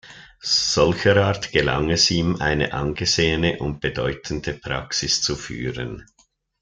Solcherart gelang es ihm, eine angesehene und bedeutende Praxis zu führen.